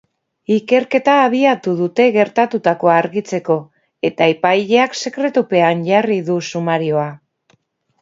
Ikerketa abiatu dute gertatutakoa argitzeko, eta epaileak sekretupean jarri du sumarioa.